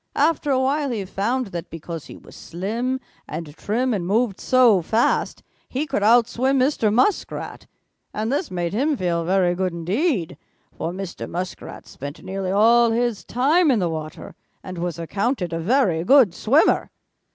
After a while he found that because he was slim and trim and moved so fast, he could out swim Mr. Muskrat, and this made him feel very good indeed, for Mr. Muskrat spent nearly all his time in the water and was accounted a very good swimmer.